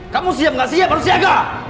kamu siap gak siap harus siaga